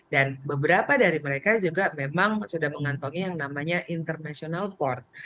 dan beberapa dari mereka juga memang sudah mengantongi yang namanya international port